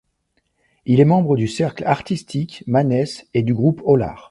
Il est membre du cercle artistique Mánes et du groupe Hollar.